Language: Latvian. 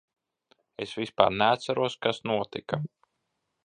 Es vispār neatceros, kas notika.